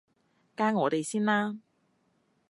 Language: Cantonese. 加我哋先啦